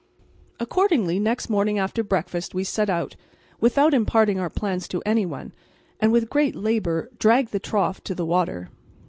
Accordingly, next morning after breakfast we set out, without imparting our plans to any one, and with great labour dragged the trough to the water.